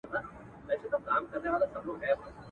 د شپې دي د مُغان په کور کي ووینم زاهده.